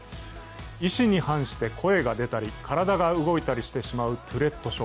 意思に反して声が出たり体が動いたりしてしまうトゥレット症。